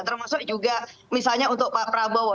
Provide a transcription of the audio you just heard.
termasuk juga misalnya untuk pak prabowo